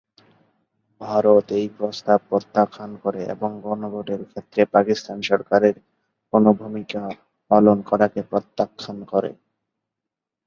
ভারত এই প্রস্তাব প্রত্যাখ্যান করে এবং গণভোটের ক্ষেত্রে পাকিস্তান সরকারের কোনও ভূমিকা পালন করাকে প্রত্যাখান করে।